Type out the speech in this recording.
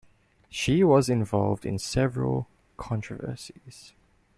She was involved in several controversies.